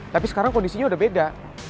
tapi sekarang kondisinya udah beda